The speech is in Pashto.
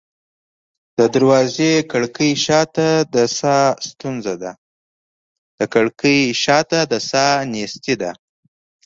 د کړکۍ شاته د ساه نیستي ده